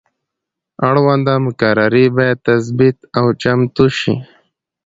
اړونده مقررې باید تثبیت او چمتو شي.